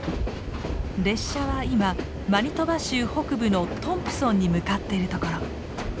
列車は今マニトバ州北部のトンプソンに向かってるところ。